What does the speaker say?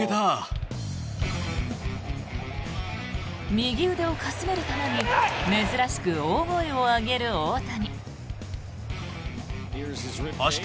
右腕をかすめる球に珍しく大声を上げる大谷。